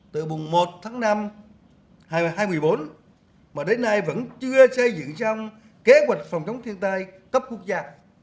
từ mùng một tháng năm hai nghìn hai mươi bốn mà đến nay vẫn chưa xây dựng xong kế hoạch phòng chống thiên tai cấp quốc gia